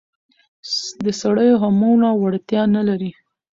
د سړيو هومره وړتيا نه لري.